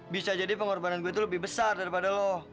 bisa jadi pengorbanan gue itu lebih besar daripada lo